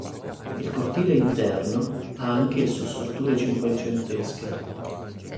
Il cortile interno ha anch'esso strutture cinquecentesche.